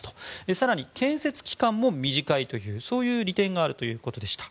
更に建設期間も短いという利点があるということでした。